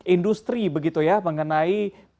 industri begitu ya mengenai